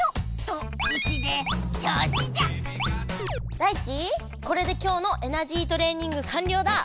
ダイチこれで今日のエナジートレーニングかんりょうだ！